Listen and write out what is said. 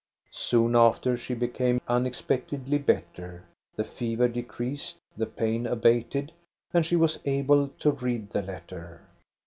Soon after she became unexpectedly better; the fever decreased, the pain abated, and she was able to read the letter.